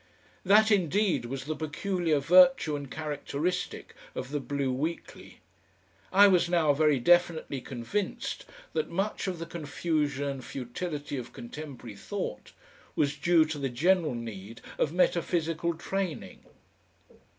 That, indeed, was the peculiar virtue and characteristic of the BLUE WEEKLY. I was now very definitely convinced that much of the confusion and futility of contemporary thought was due to the general need of metaphysical training....